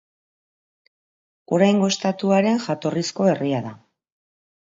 Oraingo estatuaren jatorrizko herria da.